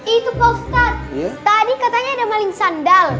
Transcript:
itu pak ustadz tadi katanya ada maling sandal